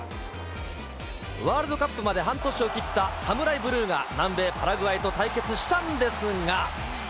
ワールドカップまで半年を切ったサムライブルーが南米パラグアイと対決したんですが。